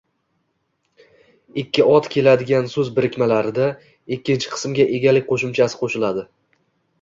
ikki ot keladigan soʻz birikmalarida ikkinchi qismga egalik qoʻshimchasi qoʻshiladi